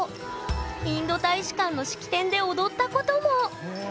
インド大使館の式典で踊ったこともへえ。